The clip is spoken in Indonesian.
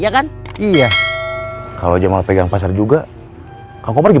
jalanan terus mau pegang pasar juga iya kan iya kalau jamal pegang pasar juga kau pergi